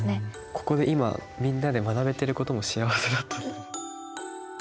ここで今みんなで学べてることも幸せだった。